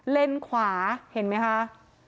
เลนควาเห็นมั้ยคะ